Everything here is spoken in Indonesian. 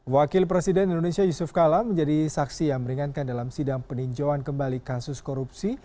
wakil presiden indonesia yusuf kala menjadi saksi yang meringankan dalam sidang peninjauan kembali kasus korupsi